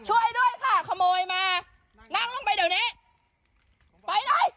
โอ้โหลูกสาวเจ้าขายไก่สดด้วยมอบลงไปเดี๋ยวนี้ไปไหน